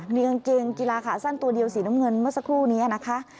มีกางเกงกีฬาขาสั้นตัวเดียวสีน้ำเงินเมื่อสักครู่นี้นะคะ